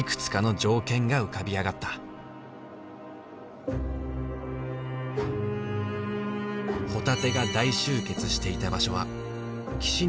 ホタテが大集結していた場所は岸に程近い限られた範囲。